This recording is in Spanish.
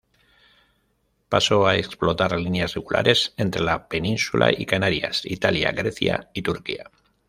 Pasó a explotar líneas regulares entre la Península y Canarias, Italia, Grecia y Turquía.